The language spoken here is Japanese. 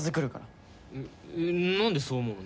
えっなんでそう思うの？